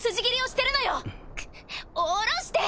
くっ下ろして！